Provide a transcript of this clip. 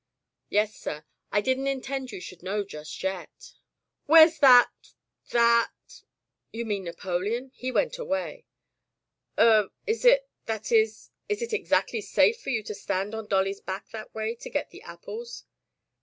'* "Yes, sir. I didn't intend you should know just yet." "Where's that— that " "You mean Napoleon? He went away." "Er — is it — that is — is it exactly safe for you to stand on Dolly's back that way to get the apples?"